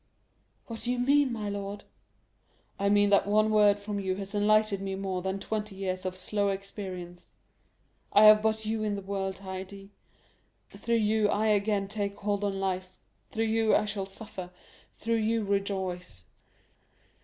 "What do you mean, my lord?" "I mean that one word from you has enlightened me more than twenty years of slow experience; I have but you in the world, Haydée; through you I again take hold on life, through you I shall suffer, through you rejoice."